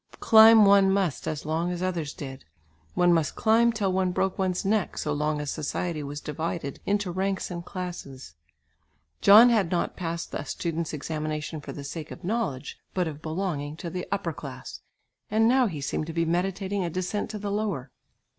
Climb one must as long as others did; one must climb till one broke one's neck, so long as society was divided into ranks and classes. John had not passed the student's examination for the sake of knowledge, but of belonging to the upper class, and now he seemed to be meditating a descent to the lower.